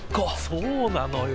そうなのよ。